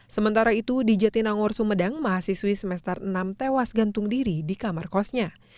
sementara itu di jatinangor sumedang mahasiswi semester enam tewas gantung diri di kamar kosnya